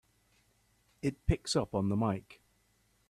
It picks up on the mike!